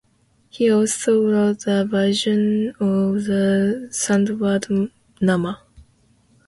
He also wrote a version of the "Sandbad nama".